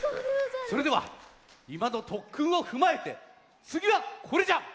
それではいまのとっくんをふまえてつぎはこれじゃ！